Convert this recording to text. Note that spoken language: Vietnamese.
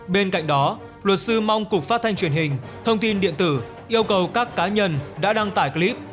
bên cạnh đó luật sư mong cục phát thanh truyền hình thông tin điện tử yêu cầu các cá nhân đã đăng tải clip